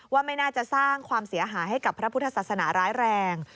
ว่าไม่น่าจะสร้างความเสียหายให้กับพระพุทธศาสนาร้ายแรง